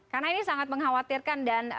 karena ini sangat mengkhawatirkan dan